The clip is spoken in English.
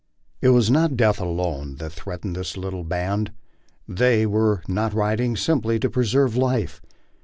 It was not death alone that threatened this little band. They were not riding simply to preserve life.